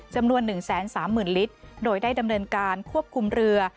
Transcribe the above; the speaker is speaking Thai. จำนวน๑๓๐๐๐ลิตรโดยได้ดำเนินการควบคุมเรือ